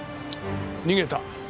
逃げた。